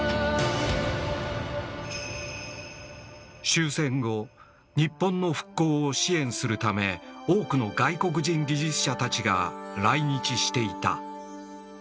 終戦後日本の復興を支援するため多くの外国人技術者たちが来日していた。